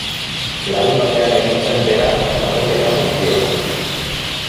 Larunbatean egin zen beraz txapelketa guztia.